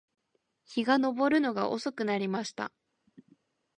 日が登るのが遅くなりました